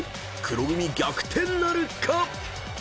［黒組逆転なるか⁉］